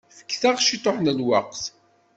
Fket-aɣ ciṭuḥ n lweqt.